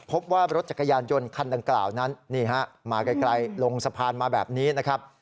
พบว่ารถจักรยานยนต์คันดังกล่าวนั้นนี่ฮะมาไกลลงสะพานมาแบบนี้นะครับ